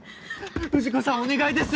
藤子さんお願いです。